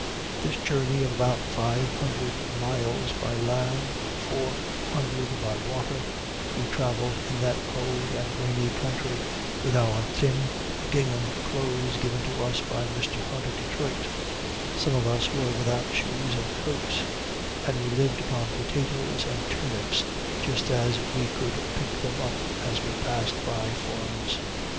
This journey of about five hundred miles by land, and four hundred by water, we travelled, in that cold and rainy country, with our thin gingham clothes, given to us by Mr. Hunt of Detroit: some of us were without shoes and coats; and we lived upon potatoes and turnips just as we could pick them up as we passed by farms.